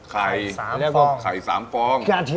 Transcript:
ไข่๓ฟอง